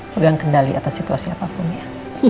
pegang kendali atas situasi apapun ya